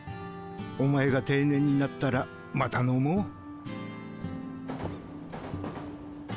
お前が定年になったらまた飲もう。